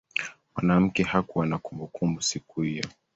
mwanamke hakuwa na kumbukumbu siku hiyo